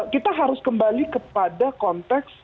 kita harus kembali kepada konteks